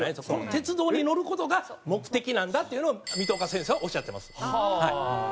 この鉄道に乗る事が目的なんだっていうのを水戸岡先生はおっしゃってます。